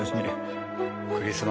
クリスマスだ。